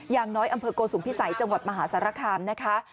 อย่างน้อยอำเภอโกสุมพิสัยจังหวัดมหาสารคามนะคะ